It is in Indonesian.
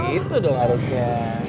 itu dong harusnya